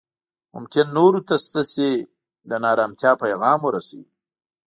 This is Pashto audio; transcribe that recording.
ممکن نورو ته ستاسې د نا ارامتیا پیغام ورسوي